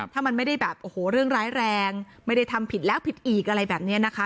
ถ้ามันไม่ได้แบบโอ้โหเรื่องร้ายแรงไม่ได้ทำผิดแล้วผิดอีกอะไรแบบนี้นะคะ